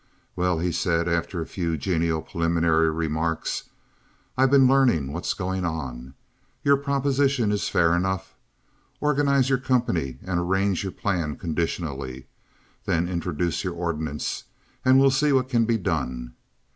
"Well," he said, after a few genial preliminary remarks, "I've been learning what's going on. Your proposition is fair enough. Organize your company, and arrange your plan conditionally. Then introduce your ordinance, and we'll see what can be done."